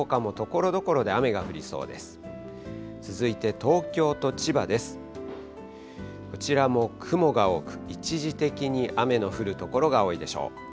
こちらも雲が多く、一時的に雨の降る所が多いでしょう。